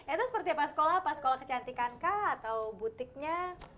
itu seperti apa sekolah apa sekolah kecantikankah atau butiknya